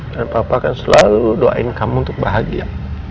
dan papa akan selalu doain kamu untuk bahagia